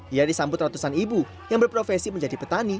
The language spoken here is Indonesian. ia disambut ratusan ibu yang berprofesi menjadi petani